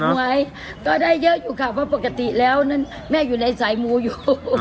ไว้ก็ได้เยอะอยู่ค่ะเพราะปกติแล้วนั้นแม่อยู่ในสายมูอยู่